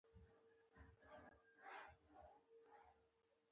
خان زمان: اوه، مینه درسره لرم، لاسونه دې بیا هلته کښېږده.